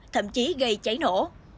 thậm chí gây cháy nổ